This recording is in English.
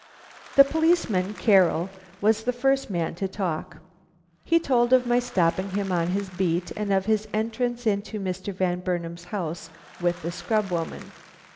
The policeman, Carroll, was the first man to talk. He told of my stopping him on his beat and of his entrance into Mr. Van Burnam's house with the scrub woman.